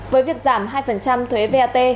với việc giảm hai thuế vat